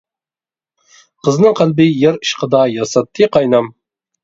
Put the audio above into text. قىزنىڭ قەلبى يار ئىشقىدا ياساتتى قاينام.